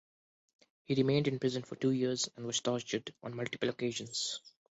He remained in prison for two years and was tortured on multiple occasions.